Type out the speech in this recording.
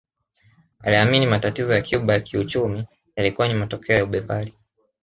Aliamini matatizo ya Cuba ya kiuchumi yalikuwa ni matokeo ya ubepari